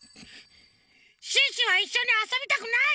シュッシュはいっしょにあそびたくない！